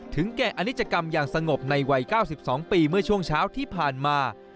แก่อนิจกรรมอย่างสงบในวัย๙๒ปีเมื่อช่วงเช้าที่ผ่านมา